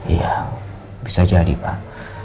iya bisa jadi pak